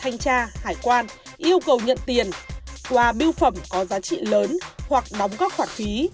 nga hải quan yêu cầu nhận tiền qua bưu phẩm có giá trị lớn hoặc đóng góp khoản phí